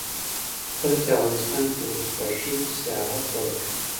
کله چې افغانستان کې ولسواکي وي سیاحت وده کوي.